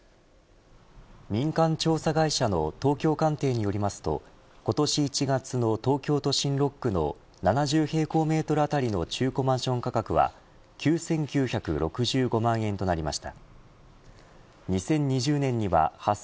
民間調査会社の東京カンテイによりますと今年１月の東京都心６区の７０平方メートルあたりの中古マンション価格は９９６５万円となりました。